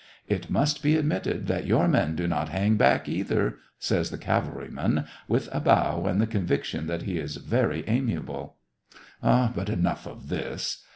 " It must be admitted that your men do not hang back, either," says the cavalry man, with a bow, and the conviction that he is very ami able. But enough of this.